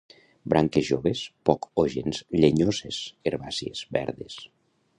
Branques joves poc o gens llenyoses, herbàcies, verdes.